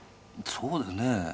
そうですね。